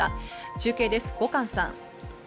中継です、後閑さん。